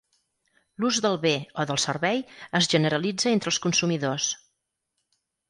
L'ús del bé o del servei es generalitza entre els consumidors.